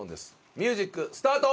ミュージックスタート！